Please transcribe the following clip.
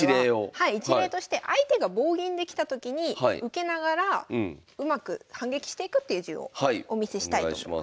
はい一例として相手が棒銀できたときに受けながらうまく反撃していくっていう順をお見せしたいと思います。